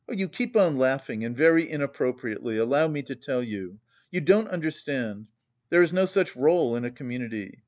"You keep on laughing and very inappropriately, allow me to tell you. You don't understand! There is no such rôle in a community.